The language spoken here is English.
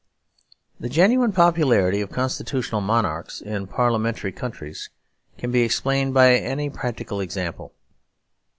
The genuine popularity of constitutional monarchs, in parliamentary countries, can be explained by any practical example.